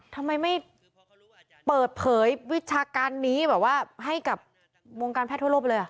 ทำไมไม่เปิดเผยวิชาการนี้แบบว่าให้กับวงการแพทย์ทั่วโลกไปเลย